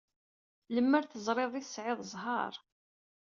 Lemmer teẓriḍ ay tesɛiḍ ẓẓher.